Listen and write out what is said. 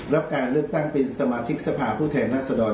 แล้วการเลือกตั้งเป็นสมาชิกสภาพผู้แทนรัศดร